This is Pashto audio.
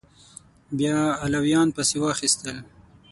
بیا علویان پسې واخیستل